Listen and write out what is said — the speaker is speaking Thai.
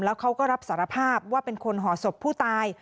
แล้วเขาก็รับสารภาพว่าเป็นคนห่อศพผู้ตาย